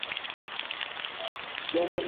আচ্ছা, চল যাই।